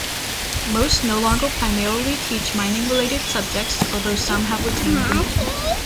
Most no longer primarily teach mining-related subjects, although some have retained the name.